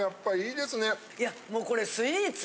いやもうこれスイーツ